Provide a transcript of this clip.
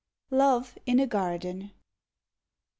LOVE IN A GARDEN. I.